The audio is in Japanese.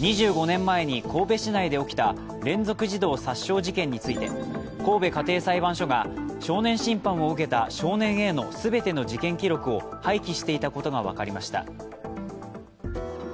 ２５年前に神戸市内で起きた連続児童殺傷事件について神戸家庭裁判所が少年審判を受けた少年Ａの全ての事件記録を廃棄していたことが分かりました。